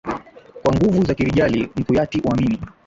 Kwa nguvu za kirijali, mkuyati uamini,